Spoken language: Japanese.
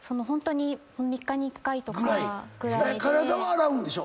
体は洗うんでしょ？